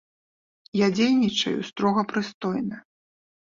Я дзейнічаю строга прыстойна.